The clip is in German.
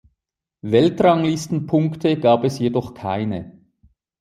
Weltranglistenpunkte gab es jedoch keine.